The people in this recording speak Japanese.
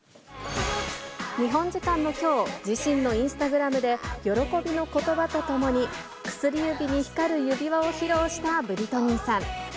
日本時間のきょう、自身のインスタグラムで喜びのことばとともに、薬指に光る指輪を披露したブリトニーさん。